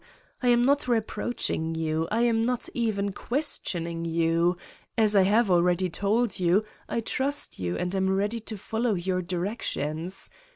I am not reproaching you. I am not even questioning you : as I have already told you, I trust you and am ready to follow your directions.